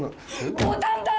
ボタンだ！